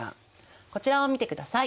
こちらを見てください。